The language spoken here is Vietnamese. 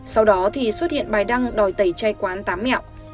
sau đó thì xuất hiện bài đăng đòi tẩy chay quán tám mẹo